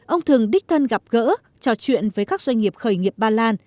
ông thường đích thân gặp gỡ trò chuyện với các doanh nghiệp khởi nghiệp ba lan